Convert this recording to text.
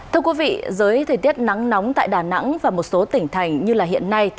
thưa quý vị dưới thời tiết nắng nóng tại đà nẵng và một số tỉnh thành như hiện nay